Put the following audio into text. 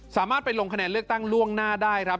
สามารถไปลงคะแนนเลือกตั้งล่วงหน้าได้ครับ